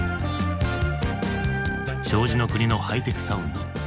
障子の国のハイテクサウンド。